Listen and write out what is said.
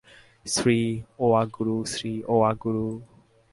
Shri Wa Guru, Shri Wa Guru.